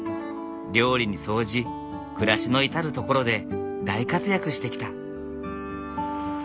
料理に掃除暮らしの至る所で大活躍してきた。